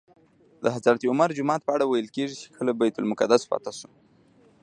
د حضرت عمر جومات په اړه ویل کېږي چې کله بیت المقدس فتح شو.